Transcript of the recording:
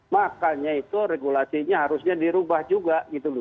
makanya itu regulasinya harusnya dirubah juga